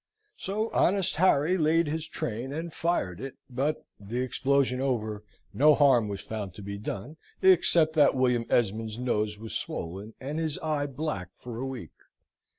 So honest Harry laid his train, and fired it: but, the explosion over, no harm was found to be done, except that William Esmond's nose was swollen, and his eye black for a week.